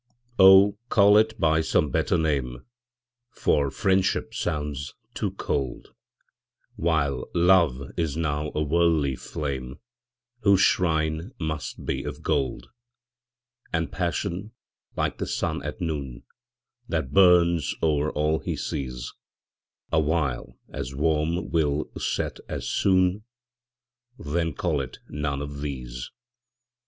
Oh, call it by some better name, For Friendship sounds too cold, While Love is now a worldly flame, Whose shrine must be of gold: And Passion, like the sun at noon, That burns o'er all he sees, Awhile as warm will set as soon Then call it none of these.